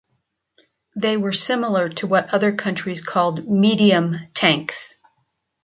They were similar to what other countries called medium tanks.